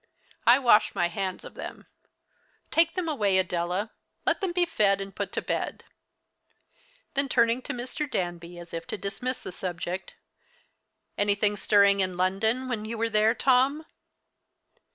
I wash my hands of them, Take them away, Adela. Let them be fed and put to bed." Then turning to Mr. Danby as if to dismiss the subject, "Anything stirring in London when you were there, Tom?"